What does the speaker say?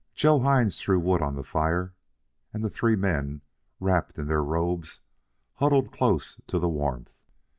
Joe Hines threw wood on the fire, and the three men, wrapped in their robes, huddled up close to the warmth.